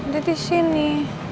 dia di sini